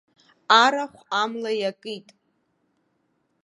Арахә амла иакит.